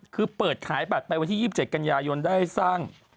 คือเปิดขายบัตรไปวันที่๒๗กันยายนได้สร้าง